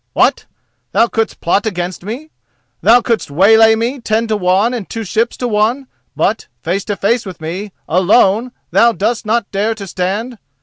What! thou couldst plot against me—thou couldst waylay me, ten to one and two ships to one, but face to face with me alone thou dost not dare to stand?